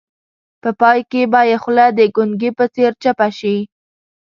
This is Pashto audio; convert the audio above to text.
په پای کې به یې خوله د ګونګي په څېر چپه شي.